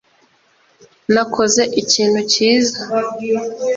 nakoze ikintu cyiza